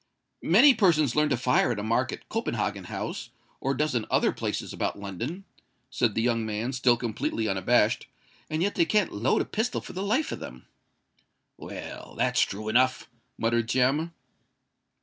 "Many persons learn to fire at a mark at Copenhagen House, or a dozen other places about London," said the young man, still completely unabashed; "and yet they can't load a pistol for the life of them." "Well—that's true enough," muttered Jem.